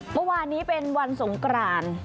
เมื่อวานนี้เป็นวันสงกราน